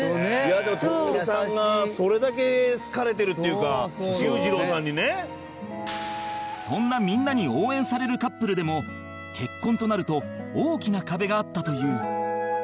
でも徹さんがそれだけ好かれてるっていうか裕次郎さんにね。そんなみんなに応援されるカップルでも結婚となると大きな壁があったという